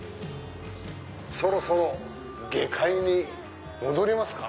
そろそろ下界に戻りますか。